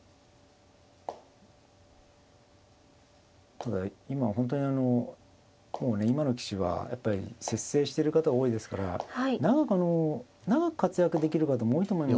ただ今本当にあの今の棋士はやっぱり節制してる方が多いですから長く活躍できる方も多いと思いますね。